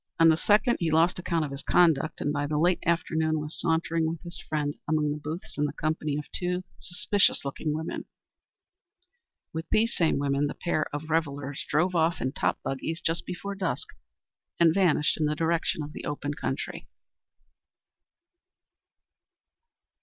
On the second, he lost account of his conduct, and by the late afternoon was sauntering with his friend among the booths in the company of two suspicions looking women. With these same women the pair of revellers drove off in top buggies just before dusk, and vanished in the direction of the open country.